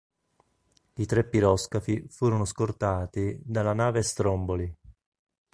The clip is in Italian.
I tre piroscafi furono scortati dalla R. Nave "Stromboli".